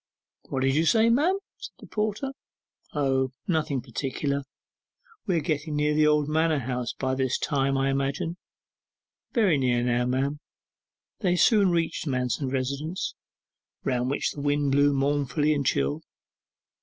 'What did you say, ma'am?' said the porter. 'O, nothing particular; we are getting near the old manor house by this time, I imagine?' 'Very near now, ma'am.' They soon reached Manston's residence, round which the wind blew mournfully and chill.